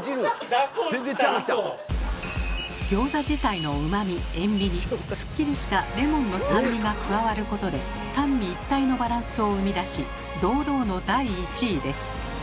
ギョーザ自体のうまみ塩味にすっきりしたレモンの酸味が加わることで三位一体のバランスを生み出し堂々の第１位です。